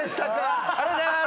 ありがとうございます。